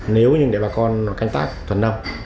nếu như để bà con canh tác tuần nông